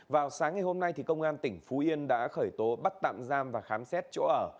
vào sáng ngày hôm nay công an tỉnh phú yên đã khởi tố bắt tạm giam và khám xét chỗ ở